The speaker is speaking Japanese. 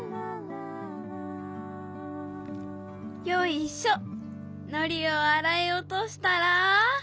よいしょのりをあらいおとしたら。